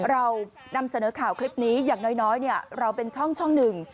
เรานำเสนอข่าวคลิปนี้อย่างน้อยเราเป็นช่องหนึ่ง